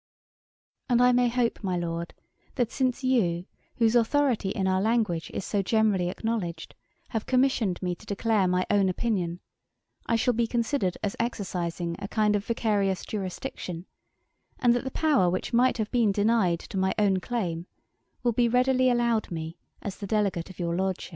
'And I may hope, my Lord, that since you, whose authority in our language is so generally acknowledged, have commissioned me to declare my own opinion, I shall be considered as exercising a kind of vicarious jurisdiction; and that the power which might have been denied to my own claim, will be readily allowed me as the delegate of your Lordship.'